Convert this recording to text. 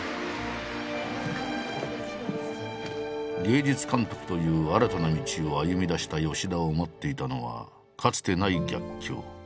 芸術監督という新たな道を歩みだした吉田を待っていたのはかつてない逆境。